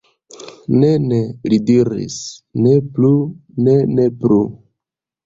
Ne, ne, li diris, Ne plu, ne, ne plu.